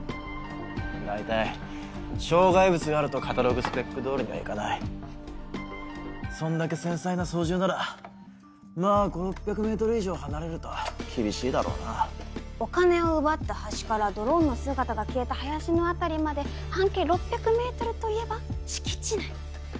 大体障害物があるとカタログスペッそんだけ繊細な操縦ならまぁ５００６００ｍ以上離れると厳しいだろうなお金を奪った橋からドローンの姿が消えた林の辺りまで半径６００ｍといえば敷地内。